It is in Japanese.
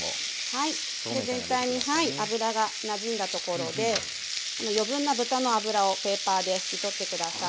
はい全体に脂がなじんだところで余分な豚の脂をペーパーで拭き取って下さい。